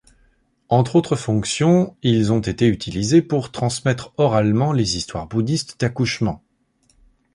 Entre autres fonctions, ils ont été utilisés pour transmettre oralement les histoires bouddhistes d'accouchement.